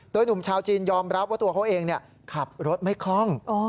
โดยหนุ่มชาวจีนยอมรับว่าตัวเขาเองขับรถไม่คล่อง